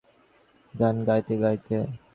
গান গাইতে গাইতে ও সেইখানে পৌঁচেছে।